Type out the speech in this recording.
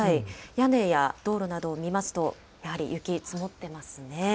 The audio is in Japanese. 屋根や道路などを見ますと、やはり雪、積もってますね。